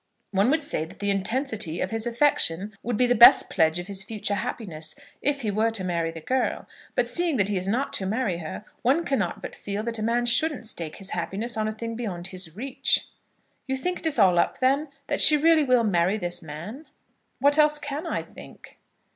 One would say that the intensity of his affection would be the best pledge of his future happiness if he were to marry the girl; but seeing that he is not to marry her, one cannot but feel that a man shouldn't stake his happiness on a thing beyond his reach." "You think it is all up, then; that she really will marry this man?" "What else can I think?"